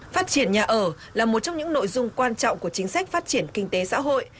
phát triển nhà ở là một trong những nội dung quan trọng của chính sách phát triển kinh tế xã hội